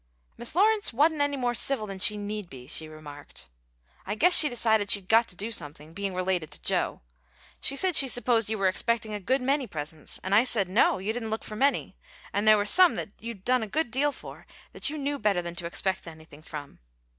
"Mis' Lawrence wa'n't any more civil than she need be," she remarked. "I guess she'd decided she'd got to do something, being related to Joe. She said she supposed you were expecting a good many presents; and I said no, you didn't look for many, and there were some that you'd done a good deal for that you knew better than to expect anything from.